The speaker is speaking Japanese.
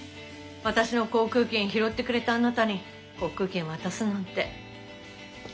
私の航空券拾ってくれたあなたに航空券渡すなんて。